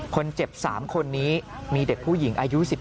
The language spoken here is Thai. คนเจ็บ๓คนนี้มีเด็กผู้หญิงอายุ๑๗